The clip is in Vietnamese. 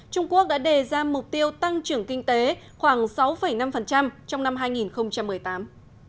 trung quốc đã đề ra mục tiêu tăng trưởng kinh tế khoảng sáu năm trong năm hai nghìn một mươi tám